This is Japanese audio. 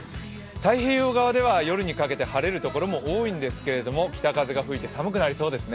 太平洋側では夜になると、晴れる所も多いんですけれども北風が吹いて寒くなりそうですね。